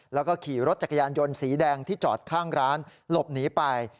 แล้วก็ขี่รถจักรยานยนต์สีแดงที่จอดข้างร้านหลบหนีไป